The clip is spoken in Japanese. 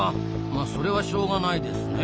まそれはしょうがないですね。